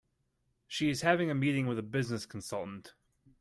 She is having a meeting with a business consultant.